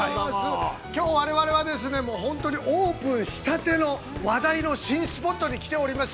きょう我々は本当にオープンしたての話題の新スポットに来ております。